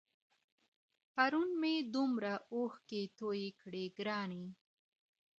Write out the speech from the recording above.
پرون مي دومره اوښكي توى كړې ګراني!